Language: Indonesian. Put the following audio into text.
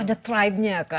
ada tribe nya kan